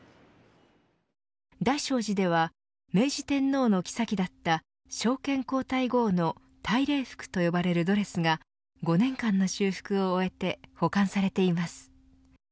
大聖寺では明治天皇のきさきだった昭憲皇太后の大礼服と呼ばれるドレスが５年間の修復を終えて保管されています。